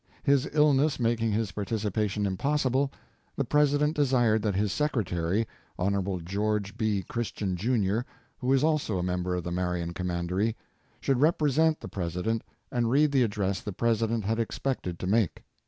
His illness making his participation impossible, the President desired that his Secretary, Hon. George B. Christian, Jr., who is also a member of the Marion Commandery, should represent the President and read the address the President had expected to make.